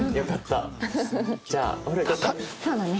そうだね！